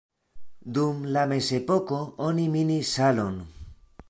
Dum la mezepoko oni minis salon.